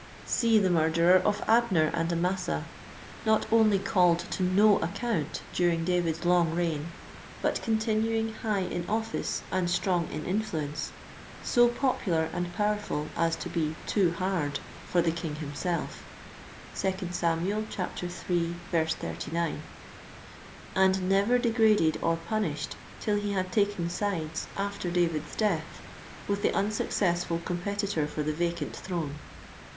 See the murderer of Abner and Amasa, not only called to no account during David's long reign, but continuing high in office and strong in influence, so popular and powerful as to be " too hard" for the king himself; (2 Sam. iii. 39,) and never degraded or punished till he had taken sides, after David's death, with the unsuccessful competitor for the vacant throne.